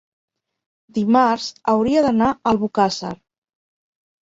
Dimarts hauria d'anar a Albocàsser.